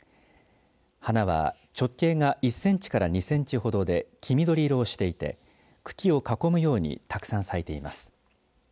花は直径が１センチから２センチほどで黄緑色をしていて茎を囲むようにたくさん咲いています。